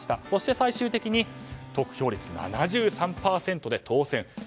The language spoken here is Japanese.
そして最終的に得票率７３％で当選。